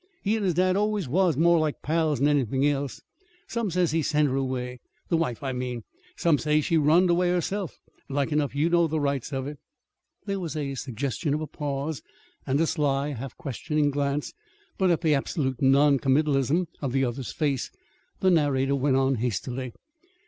(He and his dad always was more like pals than anythin' else.) Some says he sent her away the wife, I mean. Some says she runned away herself. Like enough you know the rights of it." There was a suggestion of a pause, and a sly, half questioning glance; but at the absolute non committalism of the other's face, the narrator went on hastily.